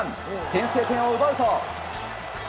先制点を奪うと。